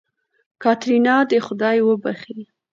کاتېرينا دې خداى وبښي.